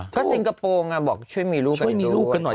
ก็สิงคโปร์มันบอกช่วยมีลูกกันหน่อย